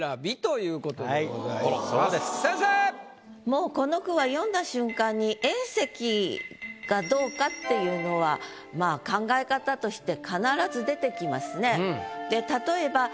もうこの句は読んだ瞬間にっていうのはまあ考え方として必ず出てきますね。